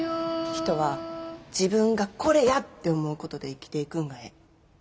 人は自分が「これや！」って思うことで生きていくんがええ。